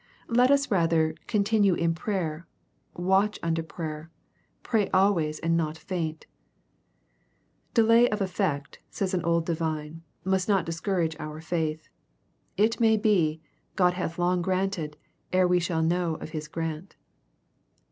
Let us rather " continue in prayer,'' " watch unto prayer," " pray always, and not faint." " Delay of effect," says an old divine, " must not discourage our faith. It may be, God hath long granted, ere we shall know of His grant."